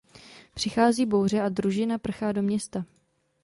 Přichází bouře a družina prchá do města.